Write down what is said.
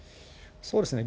そうですね。